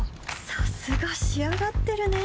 さすが仕上がってるね